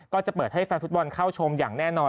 ก็จะเปิดให้แฟนฟุตบอลเข้าชมอย่างแน่นอน